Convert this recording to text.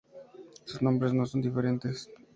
Sus nombres no son diferentes.